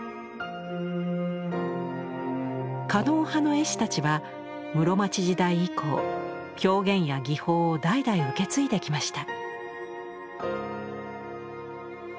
狩野派の絵師たちは室町時代以降表現や技法を代々受け継いできました。